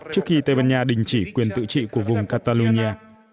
trước khi tây ban nha đình chỉ quyền tự trị của vùng catalonia